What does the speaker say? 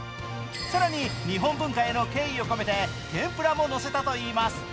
更に日本文化への敬意を込めて天ぷらものせたといいます。